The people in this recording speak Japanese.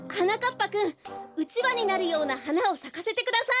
ぱくんうちわになるようなはなをさかせてください。